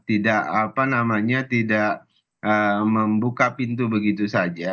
tidak apa namanya tidak membuka pintu begitu saja